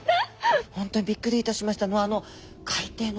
本当にびっくりいたしましたのはあの海底の。